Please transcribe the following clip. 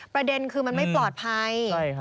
ประเด็นคือมันไม่ปลอดภัย